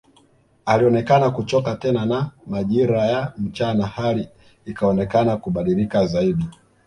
Alionekana kuchoka tena na majira ya mchana hali ikaonekana kubadilika zaidi